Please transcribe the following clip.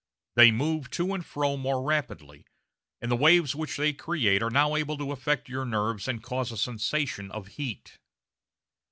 They move to and fro more rapidly, and the waves which they create are now able to affect your nerves and cause a sensation of heat.